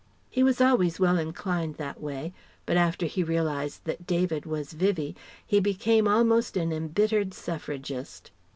He was always well inclined that way, but after he realized that David was Vivie he became almost an embittered Suffragist.